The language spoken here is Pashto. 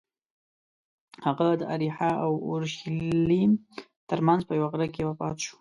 هغه د اریحا او اورشلیم ترمنځ په یوه غره کې وفات شو.